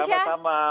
sama sama pak jepang